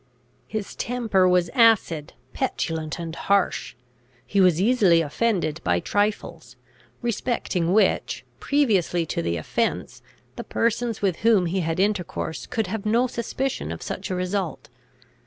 His temper was acid, petulant, and harsh. He was easily offended by trifles, respecting which, previously to the offence, the persons with whom he had intercourse could have no suspicion of such a result.